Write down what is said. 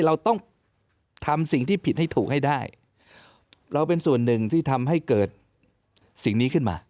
เราต้องทำสิ่งที่ผิดให้ถูกให้ได้เราเป็นส่วนหนึ่งที่ทำให้เกิดสิ่งนี้ขึ้นมา